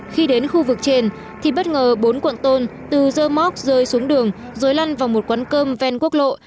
khi đến khu vực trên thì bất ngờ bốn cuộn tôn từ dơ móc rơi xuống đường rồi lăn vào một quán cơm ven quốc lộ